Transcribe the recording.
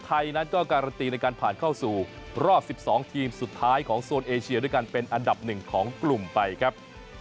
ไทยนั้นก็การันตีในการผ่านเข้าสู่รอบ๑๒ทีมสุดท้ายของโซนเอเชียด้วยกันเป็นอันดับหนึ่งของกลุ่มไปครับ